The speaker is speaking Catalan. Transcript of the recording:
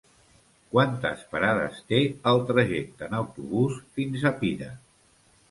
Quantes parades té el trajecte en autobús fins a Pira?